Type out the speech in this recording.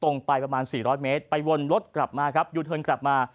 ตรงไปประมาณ๔๐๐เมตรไปวนรถกลับมาหยุดเถินกลับมา